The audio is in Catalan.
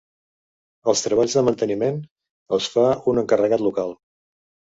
Els treballs de manteniment els fa un encarregat local.